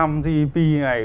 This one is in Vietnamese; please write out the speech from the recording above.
mà cái một mươi một gdp này